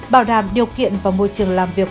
bảo đảm điều kiện và môi trường làm việc